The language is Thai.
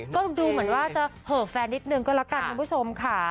ก็ดูเหมือนว่าจะเหอะแฟนนิดนึงก็แล้วกันคุณผู้ชมค่ะ